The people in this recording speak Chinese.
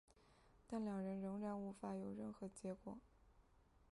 但两人仍然无法有任何结果。